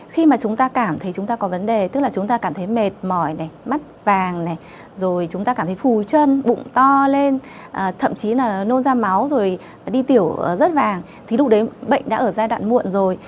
khi mà chúng ta cảm thấy chúng ta có vấn đề tức là chúng ta cảm thấy mệt mỏi này mắt vàng này rồi chúng ta cảm thấy phù chân bụng to lên thậm chí là nôn ra máu rồi đi tiểu rất vàng thì lúc đấy bệnh đã ở giai đoạn muộn rồi